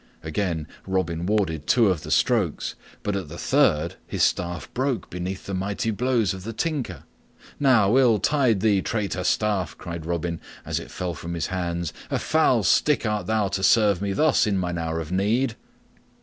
Again Robin warded two of the strokes, but at the third, his staff broke beneath the mighty blows of the Tinker. "Now, ill betide thee, traitor staff," cried Robin, as it fell from his hands; "a foul stick art thou to serve me thus in mine hour of need."